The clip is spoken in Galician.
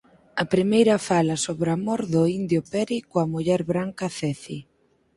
A primeira fala sobre o amor do indio Peri coa muller branca Ceci.